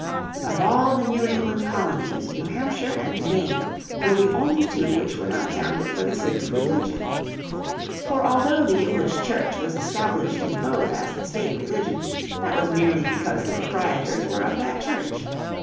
Of all the New England colonies, New Hampshire and Maine were the only two which were not founded for the sake of religion. For although the English Church was established in both as the state religion that was merely because the proprietors were of that Church.